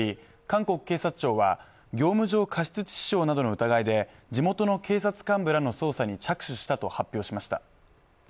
韓国警察庁は、業務上過失致死傷などの疑いで地元の警察幹部らの捜査に着手したと発表しました。